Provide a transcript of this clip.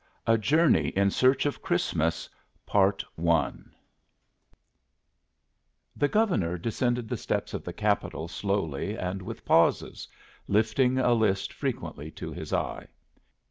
A JOURNEY IN SEARCH OF CHRISTMAS The Governor descended the steps of the Capitol slowly and with pauses, lifting a list frequently to his eye.